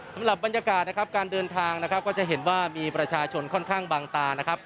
สำหรับบรรยากาศนะครับการเดินทางนะครับก็จะเห็นว่ามีประชาชนค่อนข้างบางตานะครับ